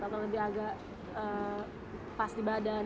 atau lebih agak pas di badan